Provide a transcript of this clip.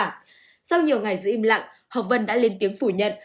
trong ngày giữ im lặng hồng vân đã lên tiếng phủ nhận